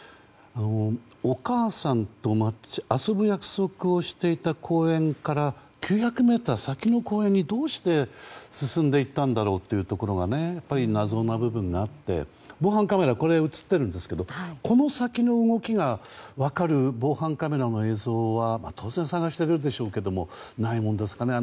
お母さんと遊ぶ約束をしていた公園から９００ｍ先の公園にどうして進んでいったんだろうというやっぱり謎な部分があって防犯カメラに映っているんですけどこの先の動きが分かる防犯カメラの映像は当然、探しているでしょうがないものですかね。